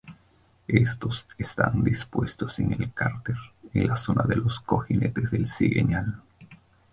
Éstos están dispuestos en el cárter en la zona de los cojinetes del cigüeñal.